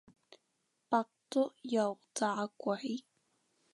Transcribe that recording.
白粥油炸鬼